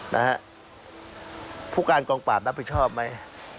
นะฮะผู้การกองปราบรับผิดชอบไหม